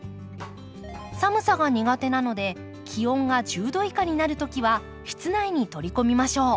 寒さが苦手なので気温が１０度以下になる時は室内に取り込みましょう。